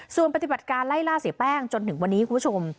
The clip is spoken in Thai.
ส่วนปฏิบัติการไล่ล่าเสียแป้งจนถึงวันนี้คุณผู้ชม